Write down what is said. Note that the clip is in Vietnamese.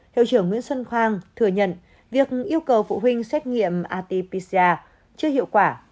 hiệu trưởng nguyễn xuân khoang thừa nhận việc yêu cầu vụ huynh xét nghiệm atp ca chưa hiệu quả